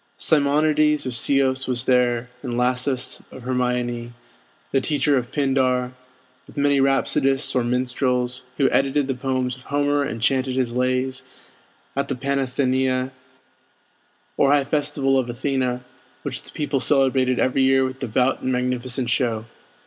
Simonides of Ceos was there; and Lasus of Hermione, the teacher of Pindar; with many rhapsodists or minstrels, who edited the poems of Homer and chanted his lays at the Panathenæa, or high festival of Athena, which the people celebrated every year with devout and magnificent show.